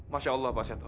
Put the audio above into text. masya allah pak seto